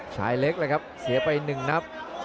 ชายเล็กเลยครับเสียไป๑นับ